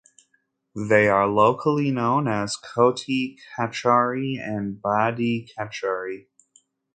They are locally known as Choti Kachari and Badi Kacheri.